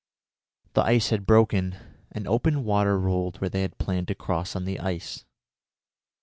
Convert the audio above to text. The ice had broken, and open water rolled where they had planned to cross on the ice.